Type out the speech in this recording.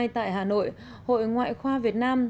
tại hà nội hội ngoại khoa việt nam